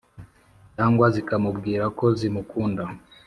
cyangwa zikamubwira ko zimukunda